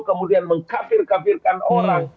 kemudian mengkafir kafirkan orang